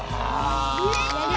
リベンジだ。